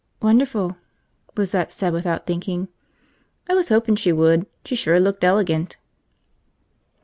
"Wonderful," Lizette said without thinking. "I was hopin' she would. She sure looked elegant."